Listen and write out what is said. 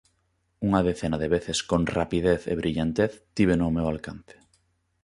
Unha decena de veces, con rapidez e brillantez, tíveno ó meu alcance.